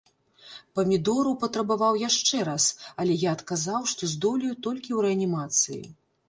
Памідораў патрабаваў яшчэ раз, але я адказаў, што здолею толькі ў рэанімацыі.